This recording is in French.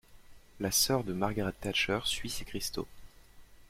La sœur de Margaret Thatcher suit ces cristaux.